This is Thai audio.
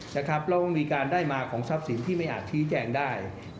นะครับเรามีการได้มาของทรัพย์สินที่ไม่อาจเลยน่าจะแจ้งสร้างได้